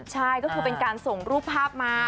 ใช่ก็คือเป็นการส่งรูปภาพมา